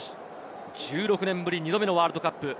１６年ぶり２度目のワールドカップ。